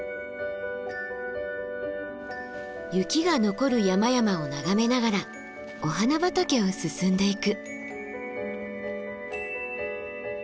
雪が残る山々を眺めながらお花畑を進んでいく。